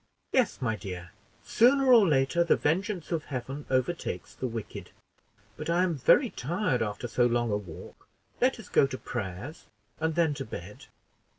"Yes, my dear; sooner or later the vengeance of Heaven overtakes the wicked. But I am very tired after so long a walk to Prayers, and then to bed."